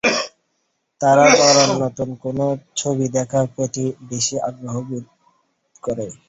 তারা বরং নতুন কোনো ছবি দেখার প্রতি বেশি আগ্রহ বোধ করে।